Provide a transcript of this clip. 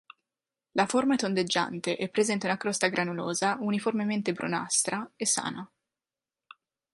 La forma è tondeggiante e presenta un crosta granulosa, uniformemente brunastra e sana.